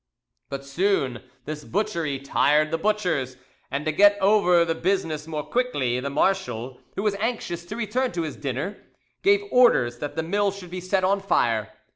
But soon this butchery tired the butchers, and to get over the business more quickly, the marshal, who was anxious to return to his dinner, gave orders that the mill should be set on fire.